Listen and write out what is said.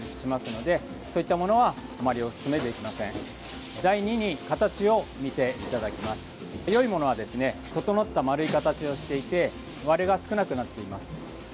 よいものはですね整った丸い形をしていて割れが少なくなっています。